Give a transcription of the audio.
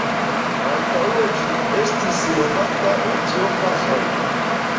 Antaŭe ĝi estis nomata Etiopa zono.